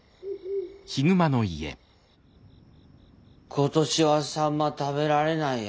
今年はさんま食べられないや。